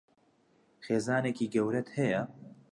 خێزانێکی گەورەت هەیە؟